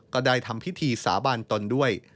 ก็ได้ทำพิธีสาบานตนด้วย